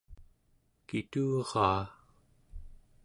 kituraa